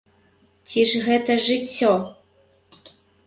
Ці ж гэта жыццё?